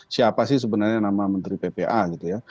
siapa sih sebenarnya nama menteri ppa gitu ya